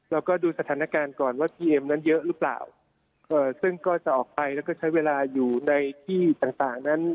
ดูสถานการณ์ก่อนว่าทีเอ็มนั้นเยอะหรือเปล่าซึ่งก็จะออกไปแล้วก็ใช้เวลาอยู่ในที่ต่างต่างนั้น